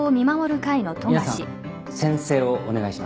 皆さん宣誓をお願いします。